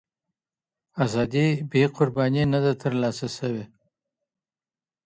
آزادي بې قربانۍ نه ده ترلاسه سوې.